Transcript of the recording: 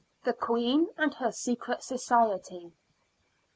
THE QUEEN AND HER SECRET SOCIETY.